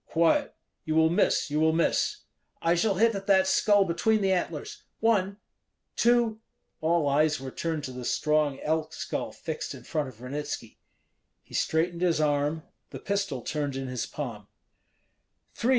"Quiet! you will miss, you will miss." "I shall hit at that skull between the antlers one! two!" All eyes were turned to the strong elk skull fixed in front of Ranitski. He straightened his arm; the pistol turned in his palm. "Three!"